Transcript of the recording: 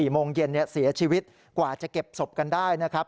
โมงเย็นเสียชีวิตกว่าจะเก็บศพกันได้นะครับ